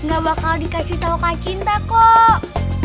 gak bakal dikasih tau kak cinta kok